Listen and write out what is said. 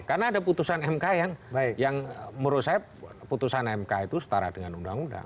karena ada putusan mk yang menurut saya putusan mk itu setara dengan undang undang